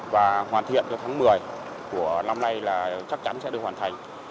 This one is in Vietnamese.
và hoàn thiện cho tháng một mươi của năm nay là chắc chắn sẽ được hoàn thành